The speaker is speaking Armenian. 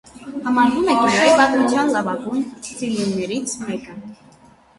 Համարվում է կինոյի պատմության լավագույն թրիլլերներից մեկը։